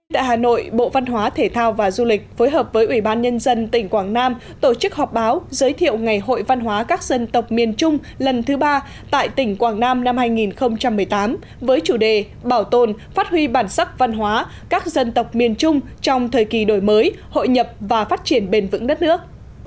tại hà nội bộ văn hóa thể thao và du lịch phối hợp với ủy ban nhân dân tỉnh quảng nam tổ chức họp báo giới thiệu ngày hội văn hóa các dân tộc miền trung lần thứ ba tại tỉnh quảng nam năm hai nghìn một mươi tám với chủ đề bảo tồn phát huy bản sắc văn hóa các dân tộc miền trung trong thời kỳ đổi mới hội nhập và phát triển bền vững đất nước